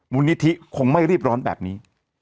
นิธิคงไม่รีบร้อนแบบนี้